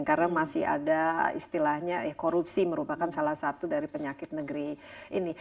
karena masih ada istilahnya korupsi merupakan salah satu dari penyakit negeri ini